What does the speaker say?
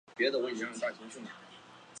夸塔是巴西圣保罗州的一个市镇。